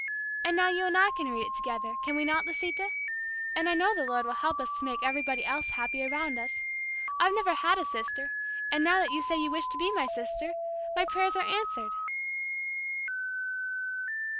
And now you and I can read it together; can we not, Lisita? And I know the Lord will help us to make everybody else happy around us. I've never had a sister, and now that you say you wish to be my sister, my prayers are answered!"